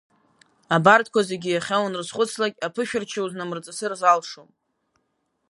Абарҭқәа зегьы иахьа уанрызхәыцлак, аԥышәарчча узнамырҵысыр залшом.